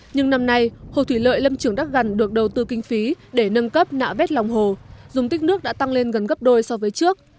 nhưng năm nay hồ thủy lợi lâm trường đắc gần được đầu tư kinh phí để nâng cấp nạo vét lòng hồ dung tích nước đã tăng lên gần gấp đôi so với trước